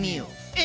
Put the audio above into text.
え？